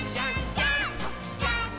ジャンプ！！」